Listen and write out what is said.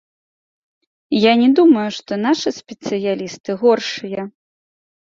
Я не думаю, што нашы спецыялісты горшыя.